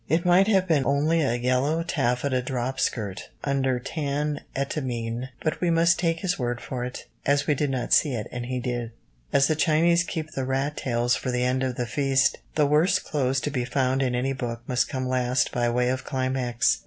It might have been only a yellow taffeta drop skirt under tan etamine, but we must take his word for it, as we did not see it and he did. As the Chinese keep the rat tails for the end of the feast, the worst clothes to be found in any book must come last by way of climax. Mr.